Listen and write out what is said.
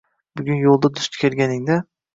Bugun yo’lda duch kelganingda